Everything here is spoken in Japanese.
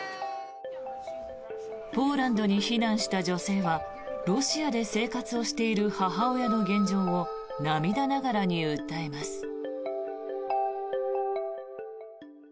ポーランドに避難した女性はロシアで生活をしている母親の現状を涙ながらに訴えます。